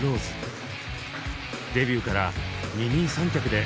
デビューから二人三脚で